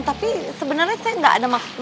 tapi sebenernya saya gak mau nelfon